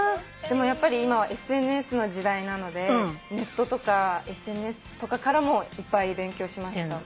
でもやっぱり今はＳＮＳの時代なのでネットとかＳＮＳとかからもいっぱい勉強しました。